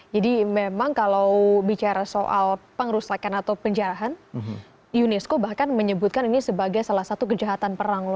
jadi memang kalau bicara soal pengrusakan atau penjarahan unesco bahkan menyebutkan ini sebagai salah satu kejahatan perang